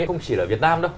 không chỉ ở việt nam đâu